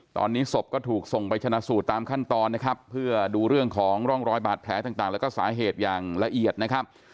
ตอนนี้ศพก็ถูกส่งไปชนะสูตรตามขั้นตอนนะครับเพื่อดูเรื่องของร่องรอยบาดแผลต่างแล้วก็สาเหตุอย่างละเอียดนะครับ